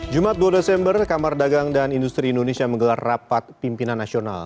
jumat dua desember kamar dagang dan industri indonesia menggelar rapat pimpinan nasional